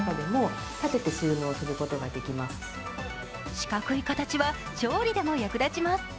四角い形は調理でも役立ちます。